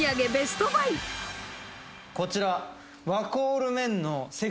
こちら。